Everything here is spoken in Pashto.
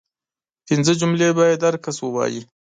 پنځه جملې باید هر کس ووايي